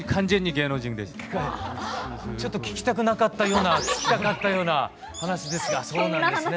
ちょっと聞きたくなかったような聞きたかったような話ですがそうなんですね。